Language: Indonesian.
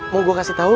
mau gua kasih tau